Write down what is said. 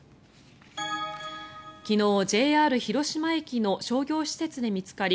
昨日ＪＲ広島駅の商業施設で見つかり